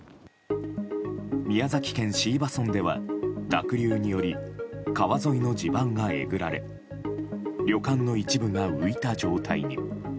宮崎県椎葉村では、濁流により川沿いの地盤がえぐられ旅館の一部が浮いた状態に。